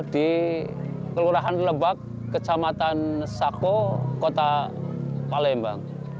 di kelurahan lebak kecamatan sako kota palembang